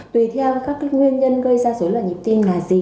tùy theo các nguyên nhân gây ra dối loạn nhịp tim là gì